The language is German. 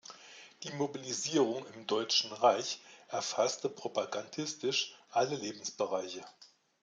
Die Mobilisierung im Deutschen Reich erfasste propagandistisch alle Lebensbereiche.